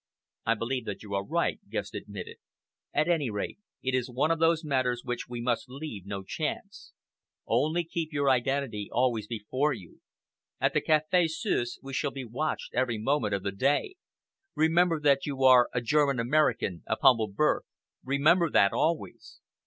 "I believe that you are right," Guest admitted. "At any rate, it is one of those matters which we must leave no chance. Only keep your identity always before you. At the Café Suisse we shall be watched every moment of the day. Remember that you are a German American of humble birth. Remember that always."